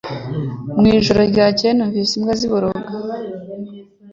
Ijoro ryakeye, numvise imbwa ziboroga